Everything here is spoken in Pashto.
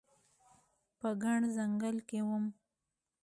په ګڼ ځنګل کې وم